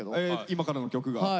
今からの曲が？